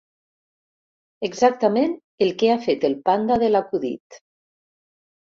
Exactament el que ha fet el panda de l'acudit.